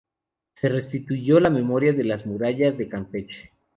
Se restituyó la Memoria de las Murallas de Campeche.